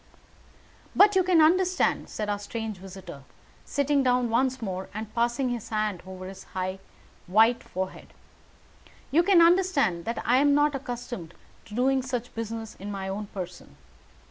"But you can understand," said our strange visitor, sitting down once more and passing his hand over his high, white forehead, "you can understand that I am not accustomed to doing such business in my own person.